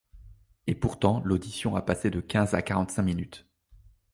Et pourtant, l'audition a passé de quinze à quarante-cinq minutes.